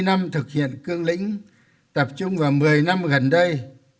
bảy mươi năm thực hiện cương lĩnh tập trung vào một mươi năm gần đây